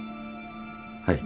はい。